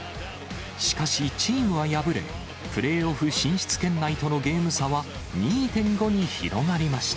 しかし、チームは敗れ、プレーオフ進出圏内とのゲーム差は、２．５に広がりました。